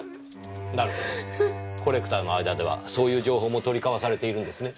なるほどコレクターの間ではそういう情報も取り交わされているんですね。